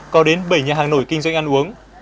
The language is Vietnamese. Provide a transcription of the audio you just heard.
có đến bảy nhà hàng nổi kinh doanh ăn uống